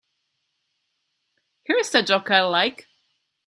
Here's a joke I like.